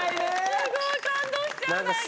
すごい感動しちゃう何か。